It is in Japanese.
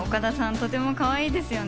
とてもかわいいですよね。